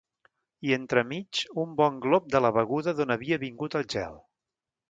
I entremig un bon glop de la beguda d'on havia vingut el gel.